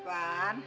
tapi mas topan takut